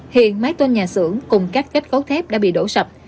hiện mái tôn nhà xưởng cùng các cách khấu thép đã bị đổ sập